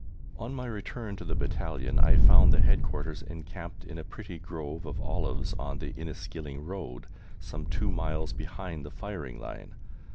On my return to the Battalion I found the Headquarters encamped in a pretty grove of olives on the Inniskilling Road, some two miles behind the firing line.